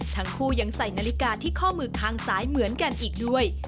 ทั้งคู่ยังใส่นาฬิกาที่ข้อมือข้างซ้ายเหมือนกันอีกด้วย